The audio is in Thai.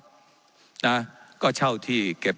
ว่าการกระทรวงบาทไทยนะครับ